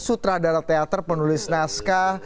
sutradara teater penulis naskah